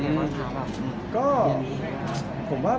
เรารู้สึกยังไงบ้างครับ